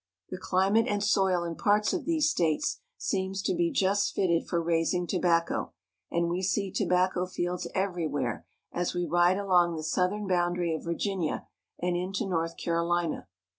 The Tobacco Field. climate and soil in parts of these states seem to be just fitted for raising tobacco, and we see tobacco fields every where as we ride along the southern boundary of Virginia and into North CaroHna.